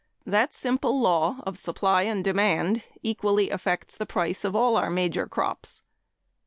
That simple law of supply and demand equally affects the price of all our major crops.